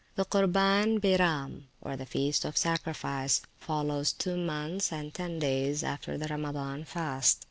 The Curbaen Byram, or the Feast of Sacrifice, follows two months and ten days after the Ramadan fast.